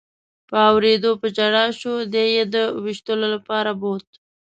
په اورېدو په ژړا شو، دی یې د وېشتلو لپاره بوت.